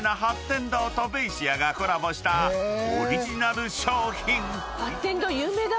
天堂とベイシアがコラボしたオリジナル商品］